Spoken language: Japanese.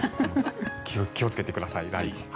気をつけてください。